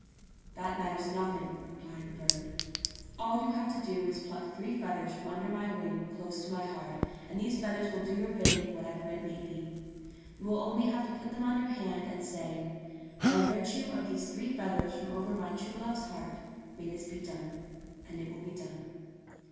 "That matters nothing," replied the bird. "All you have to do is to pluck three feathers from under my wing THE THREE FEATHERS 63 close to my heart, and these feathers will do your bidding whatever it may be. You will only have to put them on your hand, and say, * By virtue of these three feathers from over my true love's heart may this be done,' and it will be done."